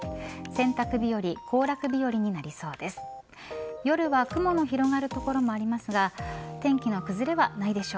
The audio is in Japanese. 洗濯日和行楽日和になりそうです。